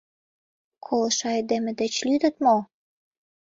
Колышо айдеме деч лӱдыт мо?